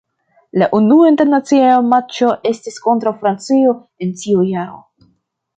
La unua internacia matĉo estis kontraŭ Francio en tiu jaro.